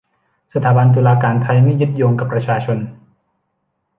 สถาบันตุลาการไทยไม่ยึดโยงกับประชาชน